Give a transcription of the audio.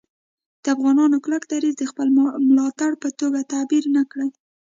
د افغانانو کلک دریځ د خپل ملاتړ په توګه تعبیر نه کړي